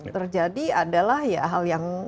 terjadi adalah hal yang